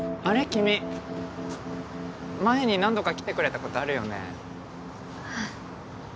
君前に何度か来てくれたことあるよねあっ